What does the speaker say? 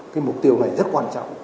cái mục tiêu này rất quan trọng